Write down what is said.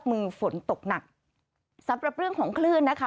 มือฝนตกหนักสำหรับเรื่องของคลื่นนะคะ